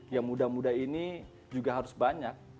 yang muda muda ini juga harus banyak